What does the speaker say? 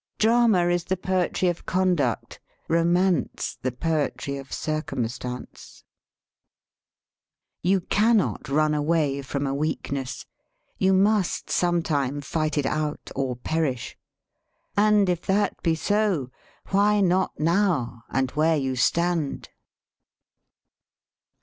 " Drama is the poetry of conduct, romance the poetry of circumstance." 97 THE SPEAKING VOICE "You cannot run away from a weakness; you must sometime fight it out or perish; and if that be so, why not now, and where you stand?"